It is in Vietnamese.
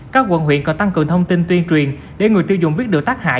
các quận huyện cần tăng cường thông tin tuyên truyền để người tiêu dùng biết được tác hại